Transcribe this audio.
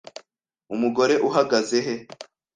Umugore uhagaze he?